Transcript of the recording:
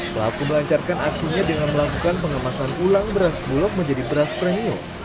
pelaku melancarkan aksinya dengan melakukan pengemasan ulang beras bulog menjadi beras premium